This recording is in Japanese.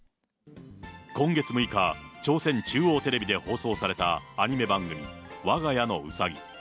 今月６日、朝鮮中央テレビで放送されたアニメ番組、わが家のウサギ。